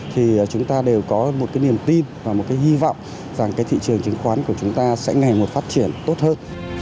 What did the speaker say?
thì chúng ta đều có một niềm tin và một hy vọng rằng thị trường chứng khoán của chúng ta sẽ ngày một phát triển tốt hơn